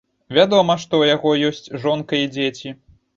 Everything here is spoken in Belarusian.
Вядома, што ў яго ёсць жонка і дзеці.